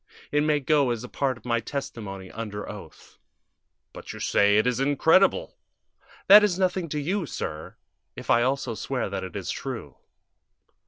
It may go as a part of my testimony under oath." "But you say it is incredible." "That is nothing to you, sir, if I also swear that it is true."